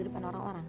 di depan orang orang